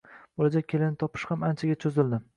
Bo`lajak kelinni topish ham anchaga cho`zildi